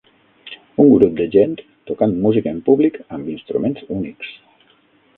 Un grup de gent tocant música en públic amb instruments únics